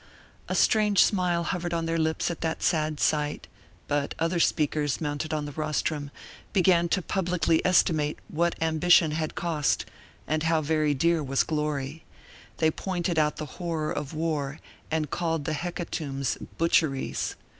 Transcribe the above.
A strange smile hovered on their lips at that sad sight; but other speakers, mounted on the rostrum, began to publicly estimate what ambition had cost and how very dear was glory; they pointed out the horror of war and called the hecatombs butcheries.